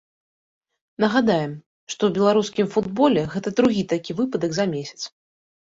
Нагадаем, што ў беларускім футболе гэта другі такі выпадак за месяц.